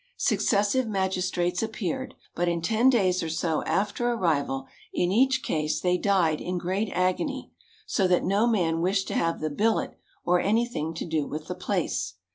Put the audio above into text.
Successive magistrates appeared, but in ten days or so after arrival, in each case they died in great agony, so that no man wished to have the billet or anything to do with the place.